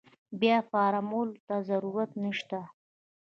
بيا فارمولې ته ضرورت نشته.